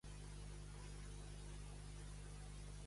Faré una crema de nyàmeres amb cruixent de pernil